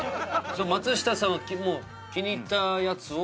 松下さんがもう気に入ったやつを？